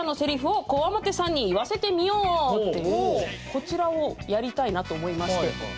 こちらをやりたいなと思いまして。